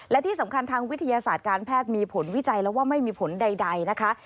และที่สำคัญทางวิทยาศาสตร์การแพทย์มีผลวิจัยแล้วว่าไม่มีผลใดนะคะ